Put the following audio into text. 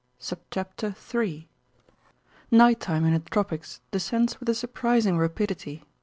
III Nighttime in the tropics descends with a surprising rapidity.